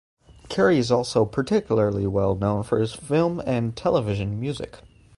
Cary is also particularly well known for his film and television music.